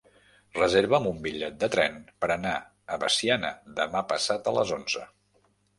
Reserva'm un bitllet de tren per anar a Veciana demà passat a les onze.